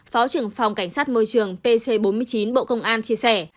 phó trưởng phòng cảnh sát môi trường pc bốn mươi chín bộ công an chia sẻ